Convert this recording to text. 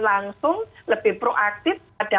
langsung lebih proaktif pada